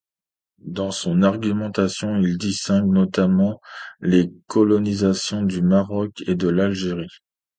Dans son argumentation, il distingue notamment les colonisations du Maroc et de l'Algérie.